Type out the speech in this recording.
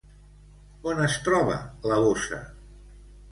On es troba la bossa?